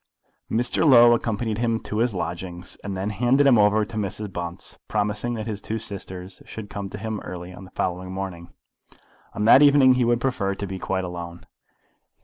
Mr. Low accompanied him to his lodgings, and then handed him over to Mrs. Bunce, promising that his two sisters should come to him early on the following morning. On that evening he would prefer to be quite alone.